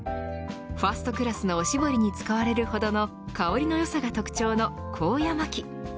ファーストクラスのおしぼりに使われるほどの香りのよさが特徴のコウヤマキ。